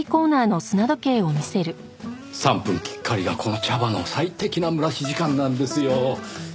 ３分きっかりがこの茶葉の最適な蒸らし時間なんですよ。